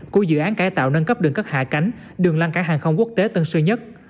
của dự án cải tạo nâng cấp đường cất hạ cánh đường lăng cảng hàng không quốc tế tân sơn nhất